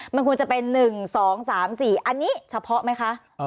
มันควรจะเป็น๑๒๓๔อันนี้เฉพาะไหมคะ